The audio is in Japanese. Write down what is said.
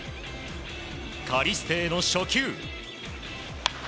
カリステへの初球。